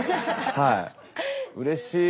はい。